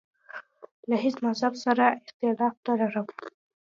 له هیڅ مذهب سره اختلاف نه لرم.